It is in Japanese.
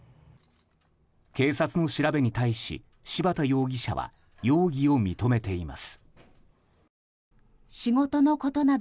警察の調べに対し、柴田容疑者は容疑を認めています。